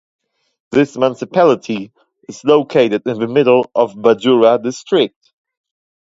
This municipality is located in the middle of Bajura district.